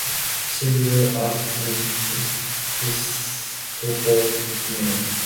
She grew up in Pittsford, New York.